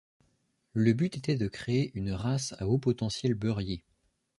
Le but était de créer une race à haut potentiel beurrier.